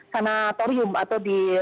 sanatorium atau di